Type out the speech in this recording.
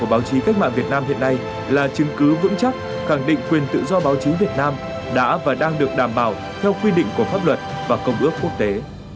báo chí cách mạng việt nam hiện nay là chứng cứ vững chắc khẳng định quyền tự do báo chí việt nam đã và đang được đảm bảo theo quy định của pháp luật và công ước quốc tế